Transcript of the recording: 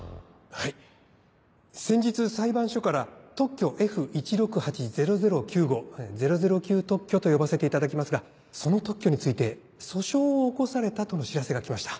はい先日裁判所から特許Ｆ１６８００９号「００９特許」と呼ばせていただきますがその特許について訴訟を起こされたとの知らせが来ました。